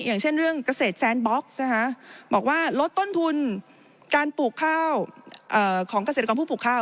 อย่างเช่นเรื่องเกษตรแซนบ็อกซ์บอกว่าลดต้นทุนการปลูกข้าวของเกษตรกรผู้ปลูกข้าว